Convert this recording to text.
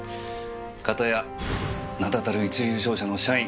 かたや名だたる一流商社の社員。